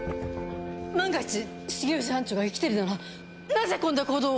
万が一重藤班長が生きてるならなぜこんな行動を。